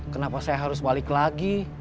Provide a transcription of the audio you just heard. kenapa saya harus balik lagi